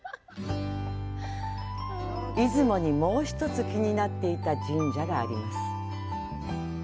出雲にもう一つ気になっていた神社があります。